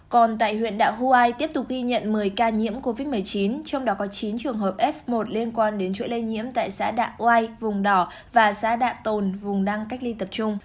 còn tại huyện đạ hoa huai tiếp tục ghi nhận một mươi ca nhiễm covid một mươi chín trong đó có chín trường hợp f một liên quan đến chuỗi lây nhiễm tại xã đạ oai vùng đỏ và xã đạ tôn vùng đang cách ly tập trung